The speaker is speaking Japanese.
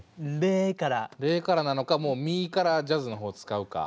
「れ」からなのかもう「み」からジャズの方使うか。